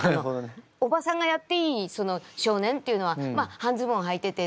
おばさんがやっていい少年っていうのはまあ半ズボンはいててそのまあ